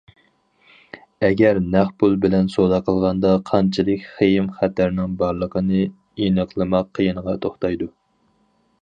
ئەگەر نەق پۇل بىلەن سودا قىلغاندا قانچىلىك خېيىم- خەتەرنىڭ بارلىقىنى ئېنىقلىماق قىيىنغا توختايدۇ.